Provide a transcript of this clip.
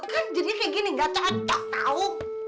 kan jadinya kayak gini gak cocok tau